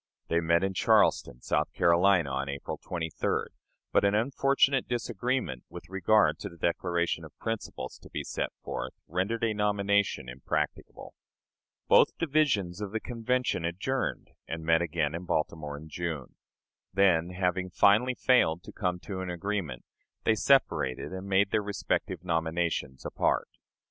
They met in Charleston, South Carolina, on April 23d, but an unfortunate disagreement with regard to the declaration of principles to be set forth rendered a nomination impracticable. Both divisions of the Convention adjourned, and met again in Baltimore in June. Then, having finally failed to come to an agreement, they separated and made their respective nominations apart.